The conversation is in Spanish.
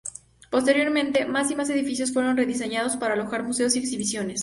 Posteriormente, más y más edificios fueron rediseñados para alojar museos y exhibiciones.